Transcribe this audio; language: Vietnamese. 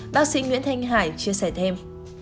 bác sĩ nguyễn thanh hải chia sẻ thêm